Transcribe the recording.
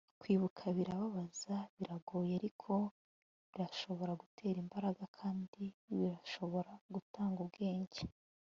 kwibuka birababaza, biragoye, ariko birashobora gutera imbaraga kandi birashobora gutanga ubwenge